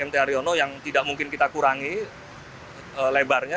tariono yang tidak mungkin kita kurangi lebarnya